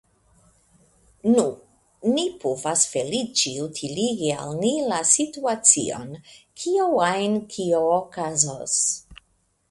Nu, ni povas feliĉe utiligi al ni la situacion, kio ajn kio okazos.